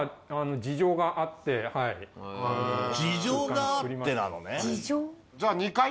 事情があってなのね。